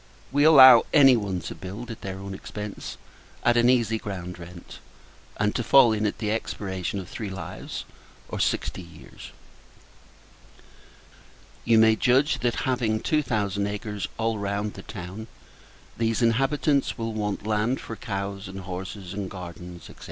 We allow any one to build at their own expence at an easy ground rent, and to fall in at the expiration of three lives, or sixty years. You may judge that, having two thousand acres all round the town, these inhabitants will want land for cows and horses, and gardens, &c.